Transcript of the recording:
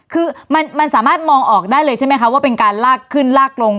คือมันสามารถมองออกได้เลยใช่ไหมคะว่าเป็นการลากขึ้นลากลง